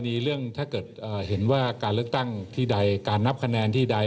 มีเรื่องถ้าเกิดเห็นว่าการเลือกตั้งที่ใดการนับคะแนนที่ใด